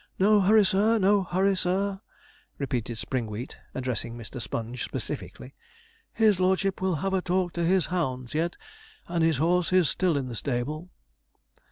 'No hurry, sir no hurry, sir,' repeated Springwheat, addressing Mr. Sponge specifically; 'his lordship will have a talk to his hounds yet, and his horse is still in the stable.'